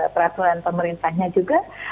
peraturan pemerintahnya juga